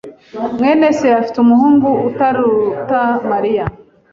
mwene se afite umuhungu utaruta Mariya.